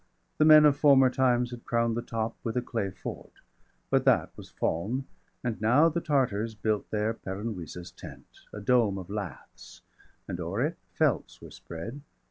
The men of former times had crown'd the top 20 With a clay fort; but that was fall'n, and now The Tartars built there Peran Wisa's tent, A dome of laths, and o'er it felts were spread.